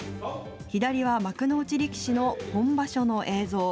左は幕内力士の本場所の映像。